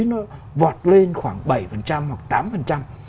nó vọt lên khoảng bảy hoặc tám